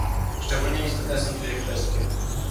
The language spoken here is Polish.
Szczególnie istotne są dwie kwestie